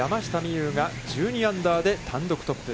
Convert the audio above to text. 有が１２アンダーで単独トップ。